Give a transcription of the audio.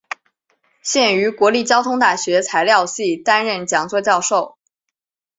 现于国立交通大学材料系担任讲座教授。